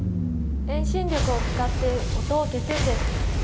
遠心力を使って音を消すんです。